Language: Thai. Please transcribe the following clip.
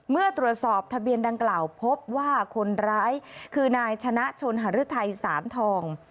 เมื่อตรวจสอบทะเบียนดังกล่าวพบว่าคนร้ายคือนายชนะชนหารือไทยสารทอง